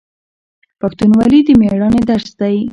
پښتونولي د میړانې درس دی.